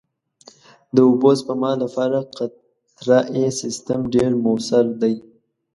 د اوبو سپما لپاره قطرهيي سیستم ډېر مؤثر دی.